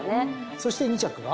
そして２着は？